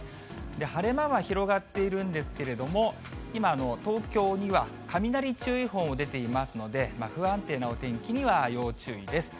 晴れ間は広がっているんですけれども、今、東京には雷注意報も出ていますので、不安定なお天気には要注意です。